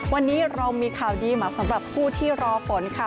วันนี้เรามีข่าวดีมาสำหรับผู้ที่รอฝนค่ะ